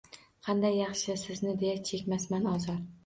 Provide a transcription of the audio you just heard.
Qanday yaxshi, sizni deya chekmasman ozor